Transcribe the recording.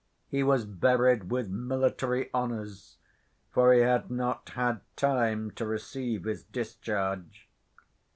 He was buried with military honors, for he had not had time to receive his discharge.